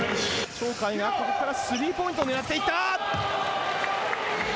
鳥海がここからスリーポイントを狙っていった。